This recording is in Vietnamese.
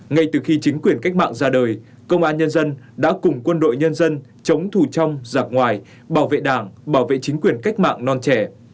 ngay từ khi chính quyền cách mạng ra đời công an nhân dân đã cùng quân đội nhân dân chống thù trong giặc ngoài bảo vệ đảng bảo vệ chính quyền cách mạng non trẻ